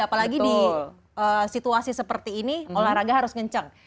apalagi di situasi seperti ini olahraga harus ngencang